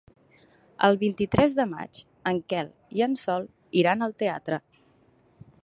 El vint-i-tres de maig en Quel i en Sol iran al teatre.